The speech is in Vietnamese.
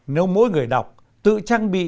nếu mỗi người đọc tự trang bị